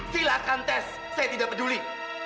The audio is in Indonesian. silakan tes saya tidak peduli